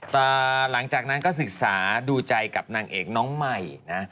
แต่หลังจากนั้นก็ศึกษาดูใจกับนางเอกน้องใหม่นะ